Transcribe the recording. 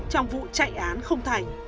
trong vụ chạy án không thành